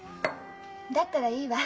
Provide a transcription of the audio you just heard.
だったらいいわ。